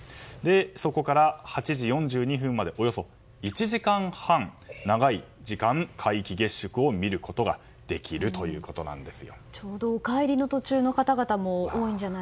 そこから８時４２分までおよそ１時間半長い時間、皆既月食を見ることができるということなんです。